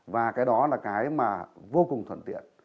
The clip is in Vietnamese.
và cái đó là cái mà vô cùng thuận tiện